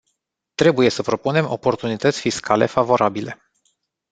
Trebuie să propunem oportunități fiscale favorabile.